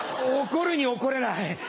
怒るに怒れない。